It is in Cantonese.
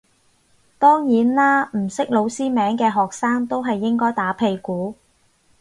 當然啦唔識老師名嘅學生都係應該打屁股